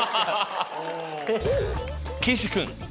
岸君！